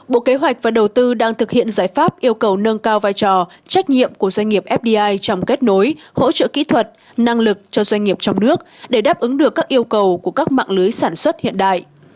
bộ kế hoạch và đầu tư đang thực hiện giải pháp yêu cầu nâng cao vai trò trách nhiệm của doanh nghiệp fdi trong kết nối hỗ trợ kỹ thuật năng lực cho doanh nghiệp trong nước để đáp ứng được các yêu cầu của các mạng lưới sản xuất hiện đại